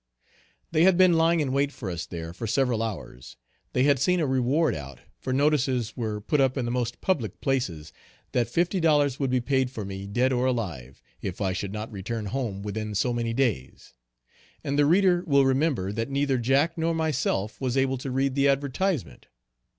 They had been lying in wait for us there, for several hours. They had seen a reward out, for notices were put up in the most public places, that fifty dollars would be paid for me, dead or alive, if I should not return home within so many days. And the reader will remember that neither Jack nor myself was able to read the advertisement.